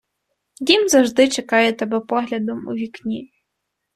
Дім завжди чекає тебе поглядом у вікні